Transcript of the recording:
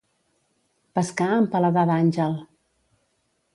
Pescar amb paladar d'àngel.